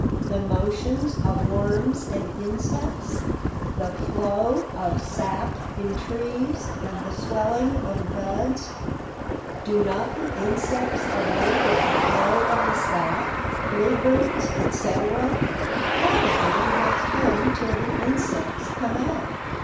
The motions of worms and insects? The flow of sap in trees and the swelling of buds? Do not the insects awake with the flow of the sap? Bluebirds, etc., probably do not come till the insects come out.